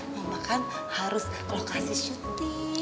mama kan harus ke lokasi syuting